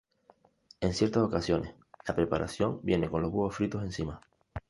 En ciertas ocasiones, la preparación viene con los huevos fritos encima.